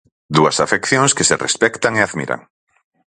Dúas afeccións que se respectan e admiran.